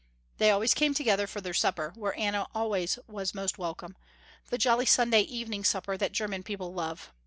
They always came together for their supper, where Anna always was most welcome, the jolly Sunday evening supper that german people love.